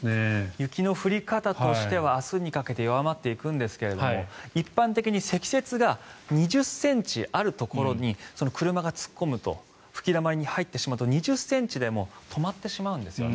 雪の降り方としては明日にかけて弱まっていくんですが一般的に積雪が２０ｃｍあるところに車が突っ込むと吹きだまりに入ってしまうと２０ｃｍでも止まってしまうんですよね。